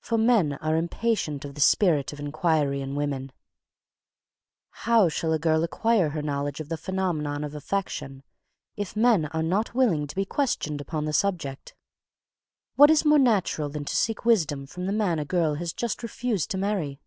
For men are impatient of the spirit of inquiry in woman. [Sidenote: The Phenomena of Affection] How shall a girl acquire her knowledge of the phenomena of affection, if men are not willing to be questioned upon the subject? What is more natural than to seek wisdom from the man a girl has just refused to marry?